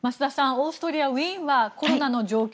オーストリア・ウィーンはコロナの状況